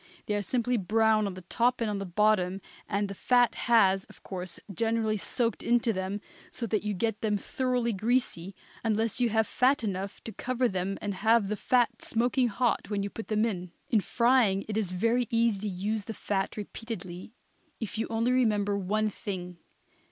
They are simply browned on the top and on the bottom, and the fat has, of course, generally soaked into them so that you get them thoroughly greasy unless you have fat enough to cover them and have the fat smoking hot when you put them in. In frying it is very easy to use the fat repeatedly, if you only remember one thing.